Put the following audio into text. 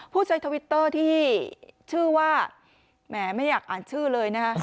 ผู้ใจทวิตเตอร์ไม่อยากอ่านชื่อเลย